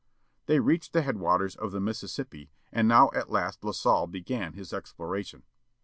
They reached the headwaters of the Mississippi ; and now at last La Salle began his exploration.